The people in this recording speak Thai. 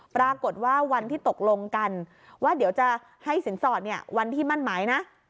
วันที่ตกลงกันว่าเดี๋ยวจะให้สินสอดเนี่ยวันที่มั่นหมายนะ